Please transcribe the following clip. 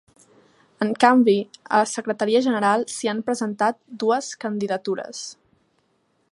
En canvi, a la secretaria general s’hi han presentat dues candidatures.